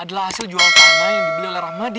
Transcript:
adalah hasil jual tanah yang dibeli oleh rahmadi